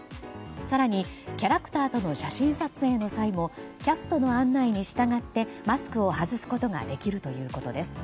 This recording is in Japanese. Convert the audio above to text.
更に、キャラクターとの写真撮影の際もキャストの案内に従ってマスクを外すことができるということです。